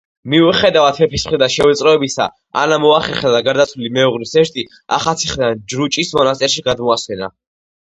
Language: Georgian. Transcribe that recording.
მიუხედავად მეფის მხრიდან შევიწროებისა, ანამ მოახერხა და გარდაცვლილი მეუღლის ნეშტი ახალციხიდან ჯრუჭის მონასტერში გადმოასვენა.